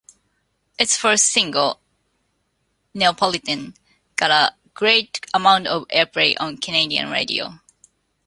Its first single, "Neopolitan", got a great amount of airplay on Canadian radio.